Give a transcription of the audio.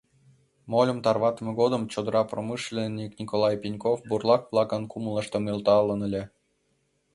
Мольым тарватыме годым чодыра промышленник Николай Пеньков бурлак-влакын кумылыштым нӧлталын ыле.